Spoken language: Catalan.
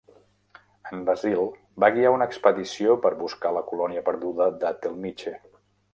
En Basil va guiar una expedició per buscar la colònia perduda de Tellmice.